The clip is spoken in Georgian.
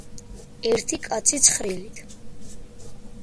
ერთი კაცი ცხრილით